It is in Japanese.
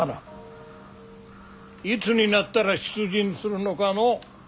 いつになったら出陣するのかのう。